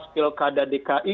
kemudian dki dua ribu tujuh belas